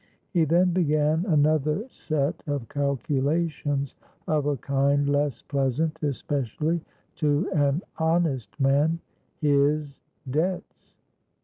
He then began another set of calculations of a kind less pleasant, especially to an honest man,—his debts.